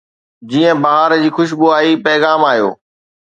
جيئن بهار جي خوشبو آئي، پيغام آيو